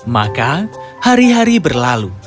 maka hari hari berlalu